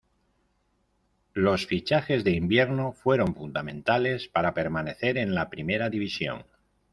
Los fichajes de invierno fueron fundamentales para permanecer en la Primera División.